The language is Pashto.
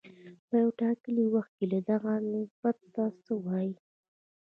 په یو ټاکلي وخت کې دغه نسبت ته څه وايي